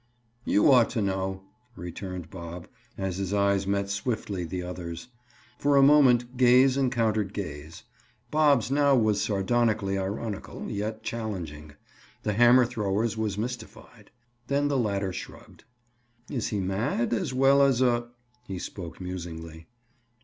"You ought to know," returned Bob, as his eyes met swiftly the other's. For a moment gaze encountered gaze. Bob's now was sardonically ironical, yet challenging. The hammer thrower's was mystified. Then the latter shrugged. "Is he mad as well as a—" he spoke musingly.